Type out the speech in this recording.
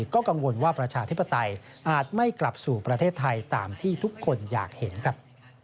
ก็กังวลว่าประชาธิปไตยอาจไม่กลับสู่ประเทศไทยตามที่ทุกคนอยากเห็นครับ